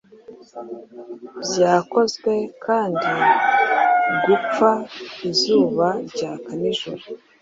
Byakozwe kandi Gupfa izuba ryaka nijoro